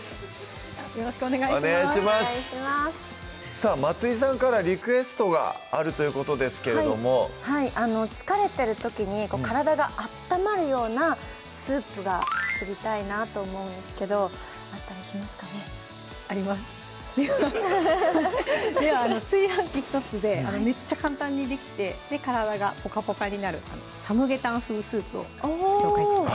さぁ松井さんからリクエストがあるということですけれどもはい疲れてる時に体が温まるようなスープが知りたいなと思うんですけどあったりしますかねありますでは炊飯器１つでめっちゃ簡単にできて体がポカポカになる「サムゲタン風スープ」を紹介します